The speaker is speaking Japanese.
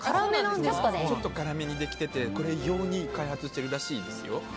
ちょっと辛めにできててこれ用に開発してるらしいですよ。